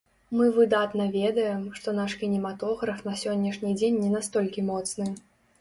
Мы выдатна ведаем, што наш кінематограф на сённяшні дзень не настолькі моцны.